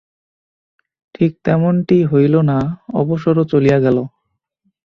ঠিক তেমনটি হইল না– অবসরও চলিয়া গেল।